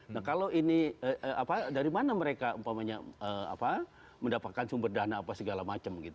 nah kalau ini dari mana mereka mendapatkan sumber dana apa segala macam gitu